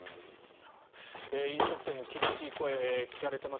飲食店の厳しい声が聞かれています。